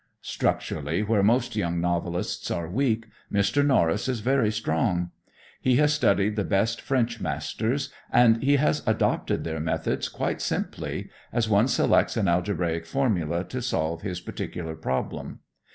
Structurally, where most young novelists are weak, Mr. Norris is very strong. He has studied the best French masters, and he has adopted their methods quite simply, as one selects an algebraic formula to solve his particular problem.